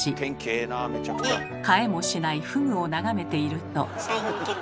買えもしないフグを眺めていると。